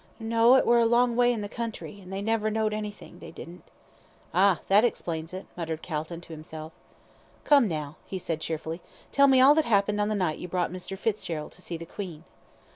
"No, it were a long way in the country, and they never knowd anythin', they didn't." "Ah! that explains it," muttered Calton to himself. "Come, now," he said cheerfully, "tell me all that happened on the night you brought Mr. Fitzgerald to see the 'Queen.'"